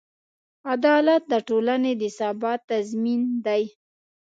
عدالت د ټولنې د ثبات تضمین دی.